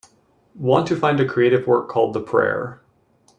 Want to find a creative work called The Prayer